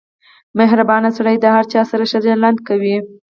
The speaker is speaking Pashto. • مهربان سړی د هر چا سره ښه چلند کوي.